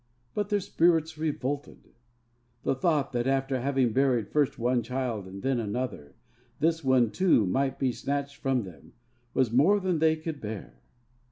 But their spirits revolted. The thought that, after having buried first one child and then another, this one too might be snatched from them was more than they could bear.